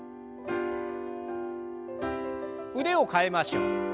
腕を替えましょう。